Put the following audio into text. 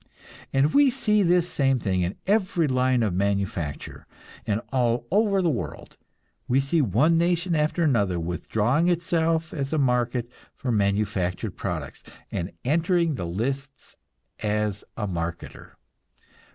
And we see this same thing in every line of manufacture, and all over the world. We see one nation after another withdrawing itself as a market for manufactured products, and entering the lists as a marketer.